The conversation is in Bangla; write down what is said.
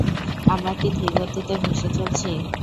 আমরা কি ধীরগতিতে ভেসে চলছি?